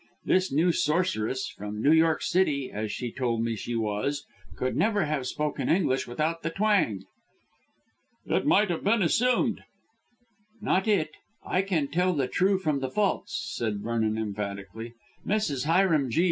This new sorceress, from New York City, as she told me she was, could never have spoken English without the twang." "It might have been assumed." "Not it. I can tell the true from the false," said Vernon emphatically. "Mrs. Hiram G.